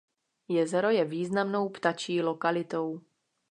Jezero je významnou ptačí lokalitou.